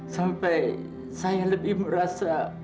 sampai saya lebih merasa